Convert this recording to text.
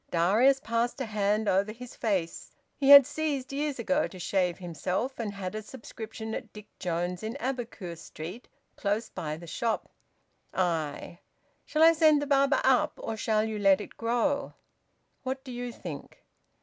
Darius passed a hand over his face. He had ceased years ago to shave himself, and had a subscription at Dick Jones's in Aboukir Street, close by the shop. "Aye!" "Shall I send the barber up, or shall you let it grow?" "What do you think?"